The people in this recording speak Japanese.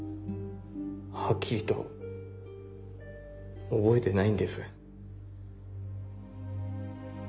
はっきりと覚えてないんです。